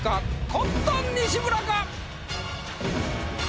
コットン西村か？